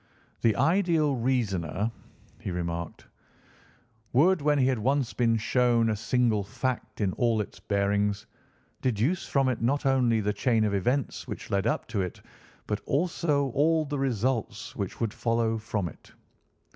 "The ideal reasoner," he remarked, "would, when he had once been shown a single fact in all its bearings, deduce from it not only all the chain of events which led up to it but also all the results which would follow from it.